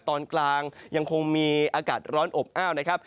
ตอนกลางยังคงมีอากาศร้อนอบอ้าวนะครับ